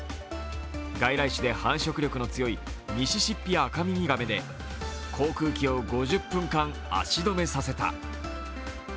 外来種で繁殖力の強いミシシッピアカミミガメで航空機を５０分間足止めさせた。